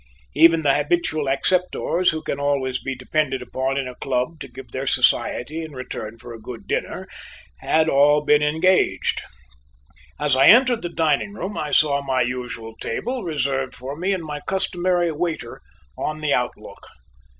Even the habitual acceptors who can always be depended upon in a club to give their society in return for a good dinner had all been engaged. As I entered the dining room, I saw my usual table reserved for me and my customary waiter on the outlook.